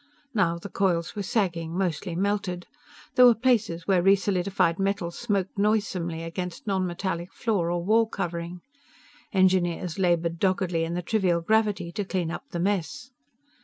Now the coils were sagging: mostly melted. There were places where re solidified metal smoked noisomely against nonmetallic floor or wall covering. Engineers labored doggedly in the trivial gravity to clean up the mess.